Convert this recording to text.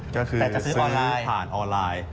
คือซื้อผ่านออนไลน์ก็คือคือซื้อผ่านออนไลน์